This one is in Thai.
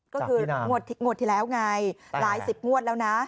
ก็คืองวดที่แล้วไงหลายสิบงวดแล้วนะ